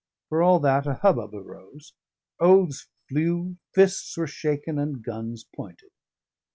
For all that, a hubbub arose; oaths flew, fists were shaken, and guns pointed.